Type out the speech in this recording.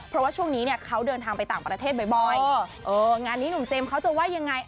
เพราะว่าช่วงนี้เนี่ยเขาเดินทางไปต่างประเทศบ่อยงานนี้หนุ่มเจมส์เขาจะว่ายังไง